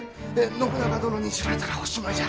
信長殿に知られたらおしまいじゃ。